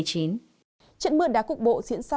trận mượn đá cục bộ diễn ra